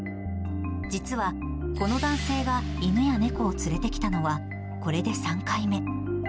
実は、この男性が犬や猫を連れてきたのは、これで３回目。